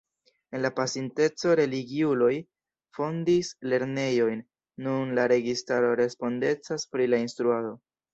En la pasinteco religiuloj fondis lernejojn; nun la registaro respondecas pri la instruado.